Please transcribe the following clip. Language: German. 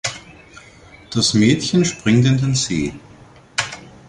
Das Mädchen springt in den See.